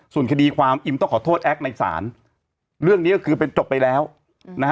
ส่วนคดีความอิมต้องขอโทษแอคในศาลเรื่องนี้ก็คือเป็นจบไปแล้วนะฮะ